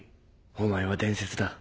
お前は伝説だ。